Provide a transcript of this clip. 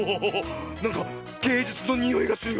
なんかげいじゅつのにおいがするよ！